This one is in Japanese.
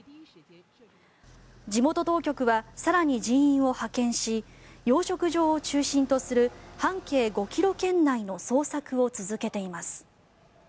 地元当局は更に人員を派遣し養殖場を中心とする半径５ｋｍ圏内の捜索を続けています。